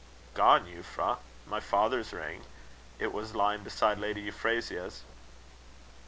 "Gone, Euphra. My father's ring! It was lying beside Lady Euphrasia's."